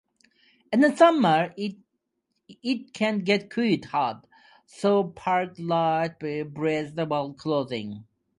In summer, it can get quite hot, so pack light, breathable clothing.